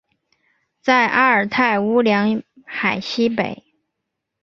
在阿尔泰乌梁海西北。